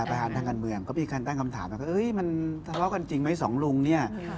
ประธานทางการเมืองก็มีการตั้งคำถามว่ามันทะเลาะกันจริงไหมสองลุงเนี่ย